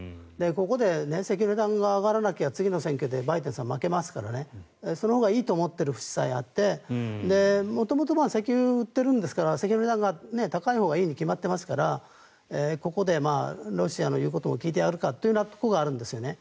ここで石油の値段が上がらなければ次の選挙でバイデンさん負けますからそのほうがいいと思っている節さえあって元々、石油を売っているんですから石油の値段は高いほうがいいに決まってますからここでロシアの言うことを聞いてやるかというのがあるんですね。